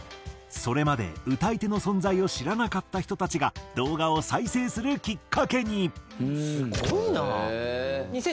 それまで歌い手の存在を知らなかった人たちが動画を再生するきっかけに。